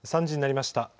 ３時になりました。